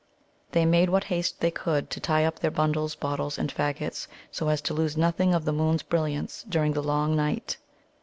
They made what haste they could to tie up their bundles, bottles, and faggots, so as to lose nothing of the moon's brilliance during the long night.